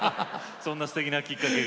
そんなすてきなきっかけが。